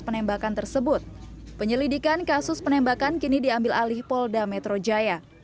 penembakan tersebut penyelidikan kasus penembakan kini diambil alih polda metro jaya